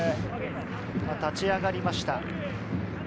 立ち上がりました。